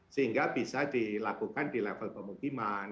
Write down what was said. sehingga bisa dilakukan di level pemukiman